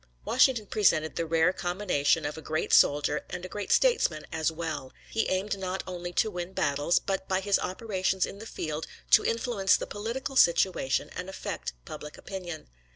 Washington presented the rare combination of a great soldier and a great statesman as well. He aimed not only to win battles, but by his operations in the field to influence the political situation and affect public opinion.